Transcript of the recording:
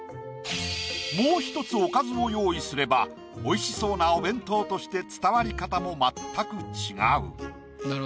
もう一つおかずを用意すれば美味しそうなお弁当として伝わり方も全く違う。